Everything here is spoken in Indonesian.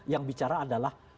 yang bicara adalah